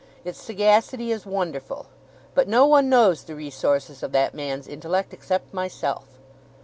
Its sagacity is wonderful. But no one knows the resources of that man's intellect, except myself!